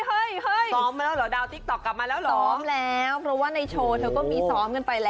ทีนายก็จะทำโชว์ใหม่แล้วตอนนี้ก็สร้อมครั้งเป็นเดือนนะคะ